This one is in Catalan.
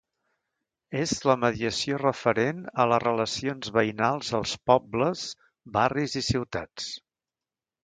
És la mediació referent a les relacions veïnals als pobles, barris i ciutats.